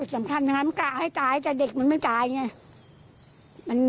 สำคัญทั้งนั้นกล้าให้ตายแต่เด็กมันไม่ตาย